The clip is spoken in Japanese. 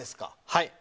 はい。